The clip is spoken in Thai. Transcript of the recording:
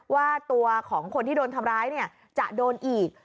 ว่าตัวของคนที่โดนทำร้ายจะโดนอีก